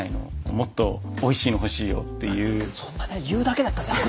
もっとおいしいの欲しいよっていう。